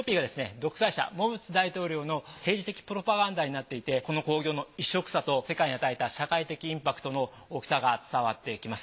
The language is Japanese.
独裁者モブツ大統領の政治的プロパガンダになっていてこの興行の異色さと世界に与えた社会的インパクトの大きさが伝わってきます。